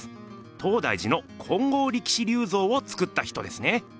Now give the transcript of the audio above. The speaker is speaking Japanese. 東大寺の金剛力士立像をつくった人ですね。